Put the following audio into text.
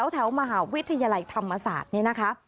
แถวมหาวิทยาลัยธรรมศาสตร์นี่นะคะ